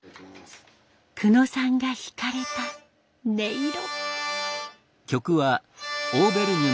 久野さんがひかれた音色。